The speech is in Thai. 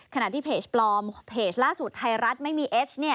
ขณะที่เพจปลอมเพจล่าสุดไทยรัฐไม่มีเอส